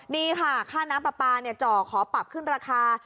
นี่ค่ะค่าน้ำปลาปลาจ่อขอปรับขึ้นราคา